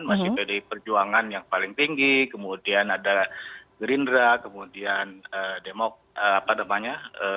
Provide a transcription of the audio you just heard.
masih pdi perjuangan yang paling tinggi kemudian ada gerindra kemudian demokrat apa namanya